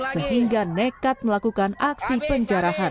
sehingga nekat melakukan aksi penjarahan